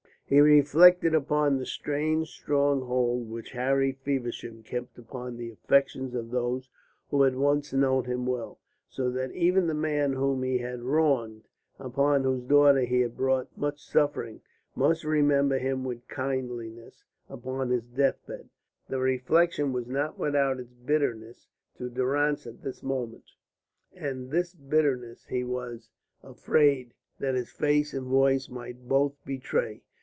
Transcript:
He reflected upon the strange strong hold which Harry Feversham kept upon the affections of those who had once known him well; so that even the man whom he had wronged, and upon whose daughter he had brought much suffering, must remember him with kindliness upon his death bed. The reflection was not without its bitterness to Durrance at this moment, and this bitterness he was afraid that his face and voice might both betray.